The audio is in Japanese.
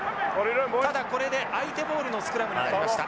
ただこれで相手ボールのスクラムになりました。